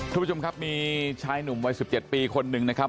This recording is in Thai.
ทุกผู้ชมครับมีชายหนุ่มวัย๑๗ปีคนหนึ่งนะครับ